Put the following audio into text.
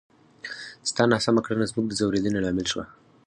ستا ناسمه کړنه زموږ د ځورېدنې لامل شوه!